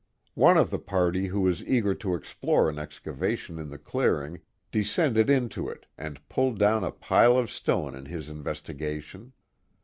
One of the party who was eager to explore an excavation in the clearing, de. scended into it and pulled down a pile of stone in his investi gation.